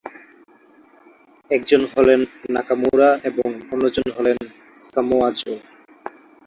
একজন হলেন নাকামুরা এবং অন্যজন হলেন সামোয়া জো।